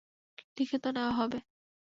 লিখিত নেওয়া হবে।